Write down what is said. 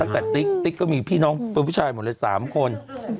แต่ติ๊กติ๊กก็มีพี่น้องเป็นผู้ชายหมดเลย๓คน